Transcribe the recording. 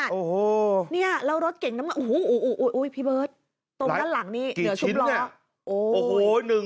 โอ้โฮโอ้โฮพี่เบิร์ทตรงด้านหลังนี่เหนือชุบล้อโอ้โฮ